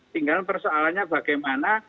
tinggal persoalannya bagaimana